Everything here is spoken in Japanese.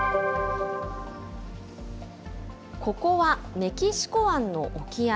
ここはメキシコ湾の沖合。